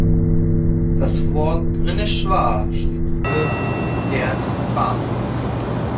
Das Wort "Ghrneshwar" steht für "Herr des Erbarmens".